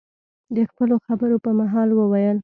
د خپلو خبرو په مهال، وویل: